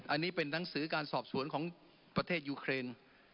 อันนี้เป็นหนังสือการสอบสวนของประเทศยูเครน